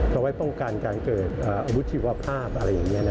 เอาไว้ป้องกันการเกิดอาวุธชีวภาพอะไรอย่างนี้